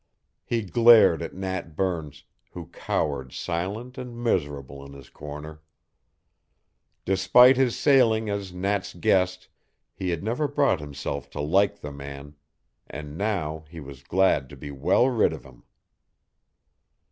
He glared at Nat Burns, who cowered silent and miserable in his corner. Despite his sailing as Nat's guest he had never brought himself to like the man, and now he was glad to be well rid of him.